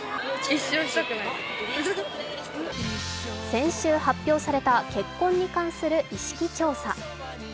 先週発表された結婚に関する意識調査。